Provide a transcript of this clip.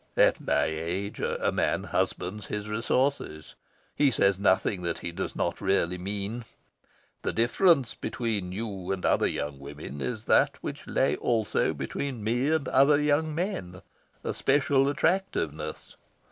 "At my age, a man husbands his resources. He says nothing that he does not really mean. The indifference between you and other young women is that which lay also between me and other young men: a special attractiveness...